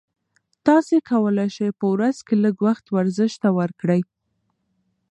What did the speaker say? تاسي کولای شئ په ورځ کې لږ وخت ورزش ته ورکړئ.